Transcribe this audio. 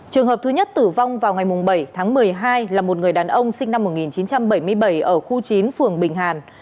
trường hợp thứ nhất tử vong vào ngày bảy tháng một mươi hai là một người đàn ông sinh năm một nghìn chín trăm bảy mươi bảy ở khu chín phường bình hàn